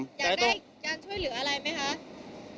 อยากได้การช่วยเหลืออะไรไหมคะ